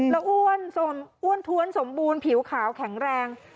แล้วอ้วนอ้วนท้วนสมบูรณ์ผิวขาวแข็งแรง